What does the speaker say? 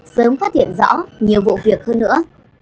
sớm phát hiện rõ nhiều vụ việc hơn nữa